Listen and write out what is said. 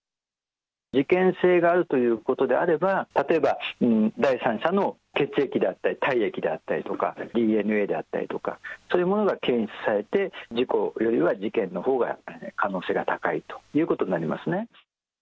事件性があるということであれば、例えば第三者の血液であったり、体液であったりとか、ＤＮＡであったりとか、そういうものが検出されて、事故よりは事件のほうが可能性が高いということになりますね。